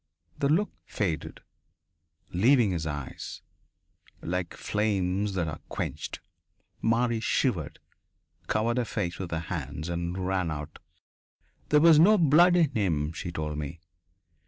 The look faded, leaving his eyes "like flames that are quenched." Marie shivered, covered her face with her hands, and ran out. "There was no blood in him," she told me.